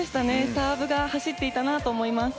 サーブが走っていたなと思います。